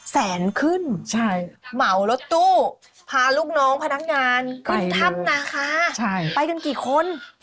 แสนขึ้นเหมารถตู้พาลูกน้องพนักงานขึ้นถ้ำนาคาไปกันกี่คน